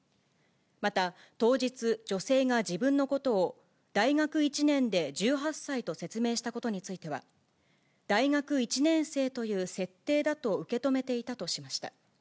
また当日、女性が自分のことを大学１年で１８歳と説明したことについては、大学１年生という設定だと受け止めていたとしました。